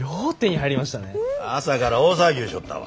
朝から大騒ぎゅうしょったわ。